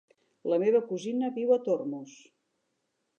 La meva cosina viu a Tormos.